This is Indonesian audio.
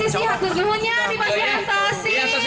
sosisnya tuh dulunya dipakai antasit